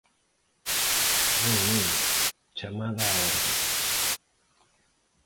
Non, non, chamada á orde.